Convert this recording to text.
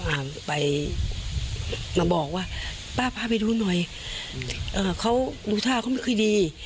อ่าไปมาบอกว่าป้าพาไปดูหน่อยอืมเอ่อเขาดูท่าเขาไม่ค่อยดี